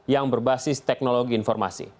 yang berbasis teknologi informasi